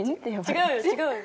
違うよ違うよ。